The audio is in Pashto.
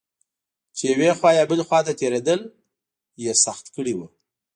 چې یوې خوا یا بلې خوا ته تېرېدل یې سخت کړي و.